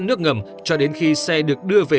nước ngầm cho đến khi xe được đưa về